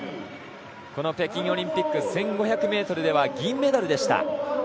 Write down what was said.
この北京オリンピック１５００ｍでは銀メダルでした。